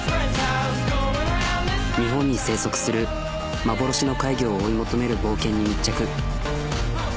日本に生息する幻の怪魚を追い求める冒険に密着。